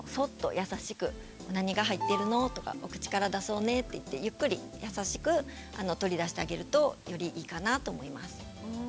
優しく「何が入ってるの？」とか「お口から出そうね」って言ってゆっくり優しく取り出してあげるとよりいいかなと思います。